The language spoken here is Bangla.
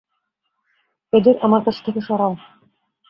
এদের আমার কাছ থেকে সরাও!